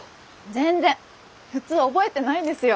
全然普通覚えてないですよ